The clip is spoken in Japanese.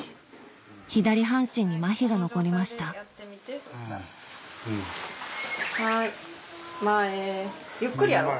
左半身にまひが残りました前ゆっくりやろう。